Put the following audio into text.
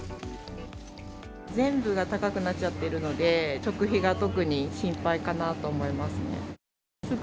全部が高くなっちゃってるので、食費が特に心配かなと思いますね。